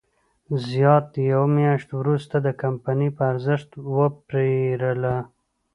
زیات یوه میاشت وروسته د کمپنۍ په ارزښت وپېرله.